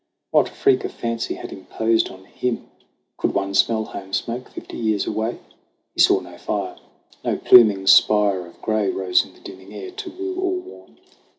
What freak of fancy had imposed on him ? Could one smell home smoke fifty years away ? He saw no fire ; no pluming spire of gray Rose in the dimming air to woo or warn.